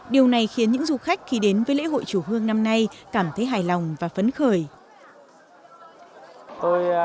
điều này khiến những du khách khi đến với lễ hội chùa hương năm nay cảm thấy hài lòng và phấn khởi